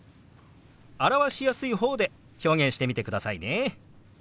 表しやすい方で表現してみてくださいね。